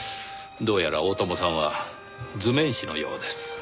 どうやら大友さんは図面師のようです。